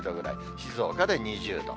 静岡で２０度。